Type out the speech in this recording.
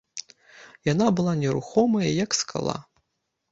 Яна была нерухомая, як скала.